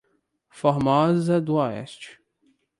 Formosa do Oeste